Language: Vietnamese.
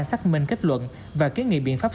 xác minh kết luận và kiến nghị biện pháp